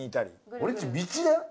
俺んち道だよ？